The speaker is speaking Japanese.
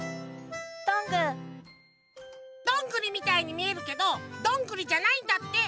どんぐりみたいにみえるけどどんぐりじゃないんだって。